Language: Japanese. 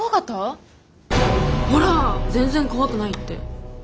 ほら全然怖くないって。